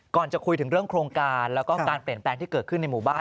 ก่อนจะคุยถึงเรื่องโครงการแล้วก็การเปลี่ยนแปลงที่เกิดขึ้นในหมู่บ้าน